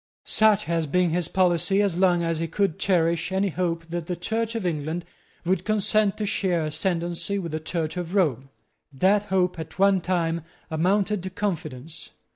Such had been his policy as long as he could cherish, any hope that the Church of England would consent to share ascendency with the Church of Rome. That hope at one time amounted to confidence.